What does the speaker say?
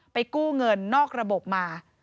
กู้เงินนอกระบบมา